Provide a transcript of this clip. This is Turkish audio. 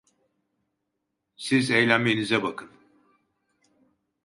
Siz eğlenmenize bakın.